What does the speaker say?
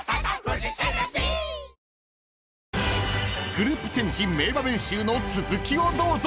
［グループチェンジ名場面集の続きをどうぞ！］